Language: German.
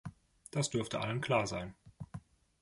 Das dürfte allen klar sein.